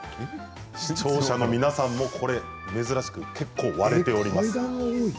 視聴者の皆さんも珍しく割れています。